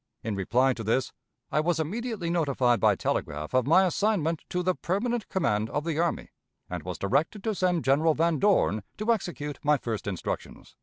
In reply to this, I was immediately notified by telegraph of my assignment to the 'permanent command of the army,' and was directed to send General Van Dorn to execute my first instructions."